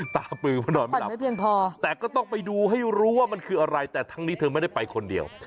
ตาปลื่อมันนอนไม่หลับแต่ก็ต้องไปดูให้รูอะไรแต่ทางนี้เธอไม่ได้ไปคนเดียว